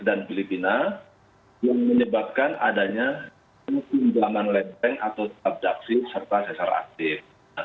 dan filipina yang menyebabkan adanya penyelamatan lempeng atau abdaksi serta sesar aktif